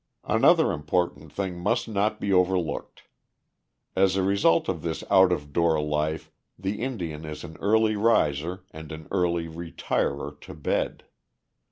Another important thing must not be overlooked. As a result of this out of door life the Indian is an early riser and an early retirer to bed.